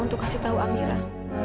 untuk kasih tau amira